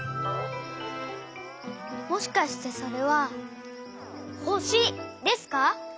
もしかしてそれはほしですか？